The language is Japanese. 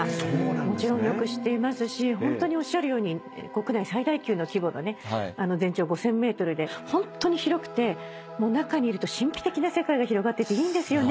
もちろんよく知っていますしホントにおっしゃるように国内最大級の規模のね全長５，０００ｍでホントに広くて中にいると神秘的な世界が広がってていいんですよね。